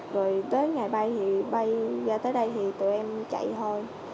rồi tới ngày bay thì bay ra tới đây thì tụi em chạy thôi